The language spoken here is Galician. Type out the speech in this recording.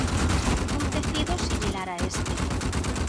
Un tecido similar a este.